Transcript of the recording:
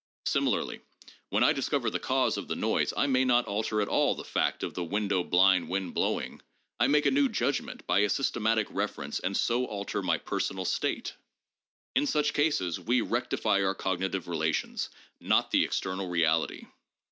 Similarly, when I discover the cause of the noise I may not alter at all the fact of 'window blind wind blowing.' I make a new judgment by a sys tematic reference and so alter my personal state. In such cases we rectify our cognitive relations, not the external reality.